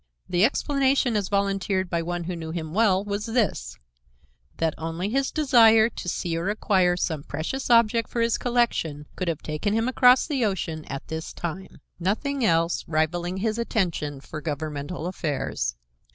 The explanation as volunteered by one who knew him well was this: That only his desire to see or acquire some precious object for his collection could have taken him across the ocean at this time, nothing else rivaling his interest in governmental affairs.